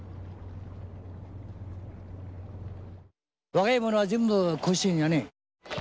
若い者は全部甲子園やね。